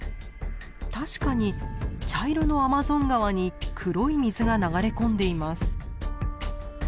確かに茶色のアマゾン川に黒い水が流れ込んでいます。